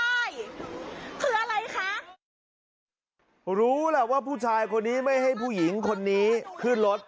ใช่คืออะไรคะรู้แหละว่าผู้ชายคนนี้ไม่ให้ผู้หญิงคนนี้ขึ้นรถ